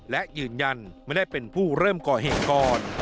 และยืนยันไม่ได้เป็นผู้เริ่มก่อเหตุก่อน